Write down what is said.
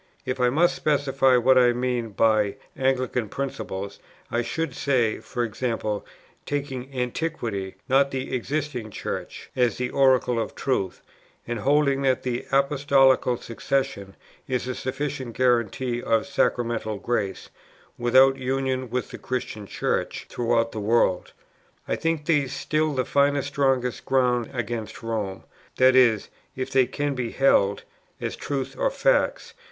If I must specify what I mean by 'Anglican principles,' I should say, e.g. taking Antiquity, not the existing Church, as the oracle of truth; and holding that the Apostolical Succession is a sufficient guarantee of Sacramental Grace, without union with the Christian Church throughout the world. I think these still the firmest, strongest ground against Rome that is, if they can be held" [as truths or facts.